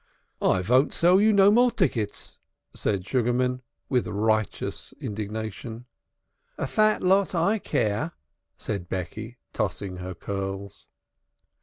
"I von't sell you no more tickets," said Sugarman with righteous indignation. "A fat lot I care," said Becky, tossing her curls.